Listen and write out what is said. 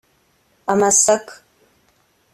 amasaka